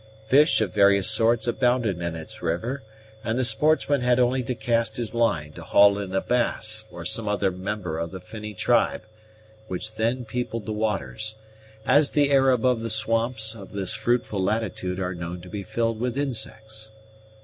Fish of various sorts abounded in its river, and the sportsman had only to cast his line to haul in a bass or some other member of the finny tribe, which then peopled the waters, as the air above the swamps of this fruitful latitude are known to be filled with insects.